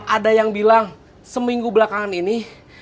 ada yang bilang seminggu belakangan ini